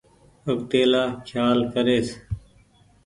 آگتيلآ کيال ڪريس۔